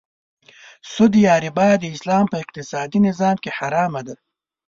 سود یا ربا د اسلام په اقتصادې نظام کې حرامه ده .